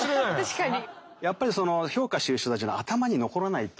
確かに。